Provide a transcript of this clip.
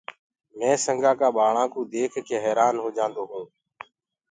مي سنگآ ڪآ ٻآݪآ ڪوُ ديک ڪي حيرآن هوجآندو هونٚ۔